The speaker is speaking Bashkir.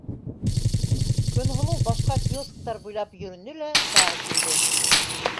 Көнһылыу башҡа киосктар буйлап йөрөнө лә, тағы килде.